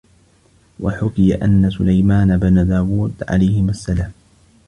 وَحُكِيَ أَنَّ سُلَيْمَانَ بْنَ دَاوُد عَلَيْهِمَا السَّلَامُ